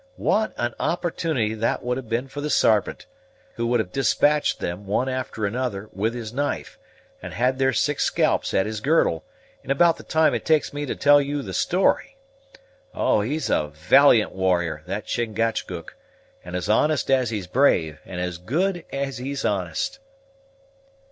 What an opportunity that would have been for the Sarpent, who would have despatched them, one after another, with his knife, and had their six scalps at his girdle, in about the time it takes me to tell you the story. Oh, he's a valiant warrior, that Chingachgook, and as honest as he's brave, and as good as he's honest!"